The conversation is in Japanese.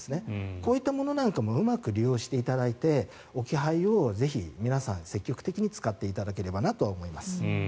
こういったものなんかもうまく利用していただいて置き配をぜひ、皆さん積極的に使っていただければなと思います。